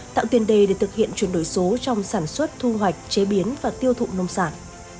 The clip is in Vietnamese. tạo tiền đề để thực hiện chuyển đổi số trong sản xuất thu hoạch chế biến và tiêu thụ nông sản